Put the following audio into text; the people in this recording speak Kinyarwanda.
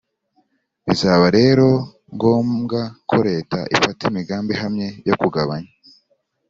bizaba rero ngombwa ko leta ifata imigambi ihamye yo kugabanya